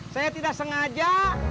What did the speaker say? saya tidak sengaja